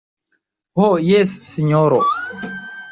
Ho jes, sinjoro.